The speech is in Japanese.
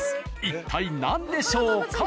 一体何でしょうか？